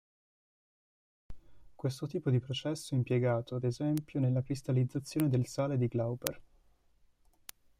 Questo tipo di processo è impiegato, ad esempio, nella cristallizzazione del sale di Glauber.